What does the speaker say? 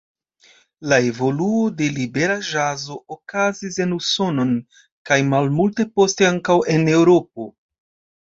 La evoluo de libera ĵazo okazis en Usonon kaj malmulte poste ankaŭ en Eŭropo.